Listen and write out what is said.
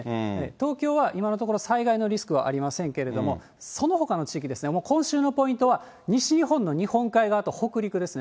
東京は今のところ、災害のリスクはありませんけれども、そのほかの地域ですね、今週のポイントは、西日本の日本海側と北陸ですね。